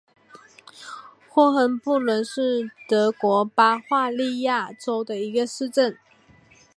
霍亨布伦是德国巴伐利亚州的一个市镇。